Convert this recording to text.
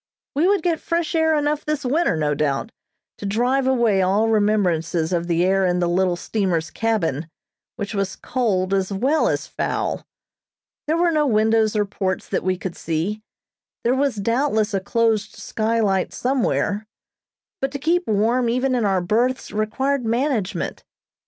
We would get fresh air enough this winter, no doubt, to drive away all remembrances of the air in the little steamer's cabin, which was cold as well as foul. There were no windows or ports that we could see; there was doubtless a closed skylight somewhere, but to keep warm even in our berths required management.